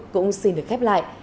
cũng xin được khép lại